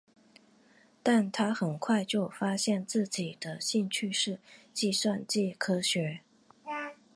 但他很快就发现自己的兴趣是计算机科学。